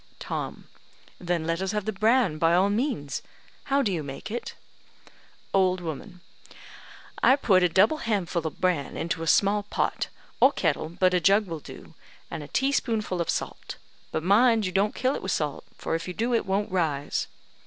Tom: "Then let us have the bran, by all means. How do you make it?" Old woman: "I put a double handful of bran into a small pot, or kettle, but a jug will do, and a teaspoonful of salt; but mind you don't kill it with salt, for if you do, it won't rise.